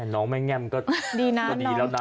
น้องแม่แง่มก็ดีแล้วนะ